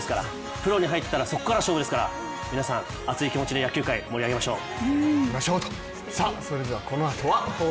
プロに入ったらそこから勝負ですから皆さん熱い気持ちで野球界盛り上げましょう。